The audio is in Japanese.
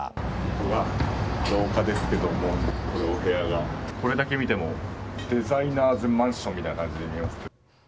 ここが廊下ですけどもお部屋が、これだけ見てもデザイナーズマンションみたいな感じで。